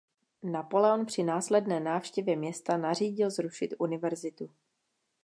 Napoleon při následné návštěvě města nařídil zrušit univerzitu.